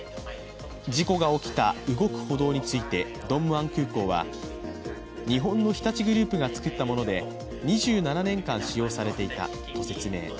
事故が起きた動く歩道についてドンムアン空港は日本の日立グループが作ったもので２７年間、使用されていたと説明。